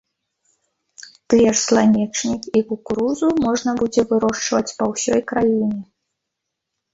Тыя ж сланечнік і кукурузу можна будзе вырошчваць па ўсёй краіне.